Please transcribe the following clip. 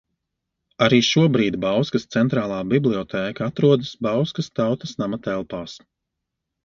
Arī šobrīd Bauskas Centrālā bibliotēka atrodas Bauskas Tautas nama telpās.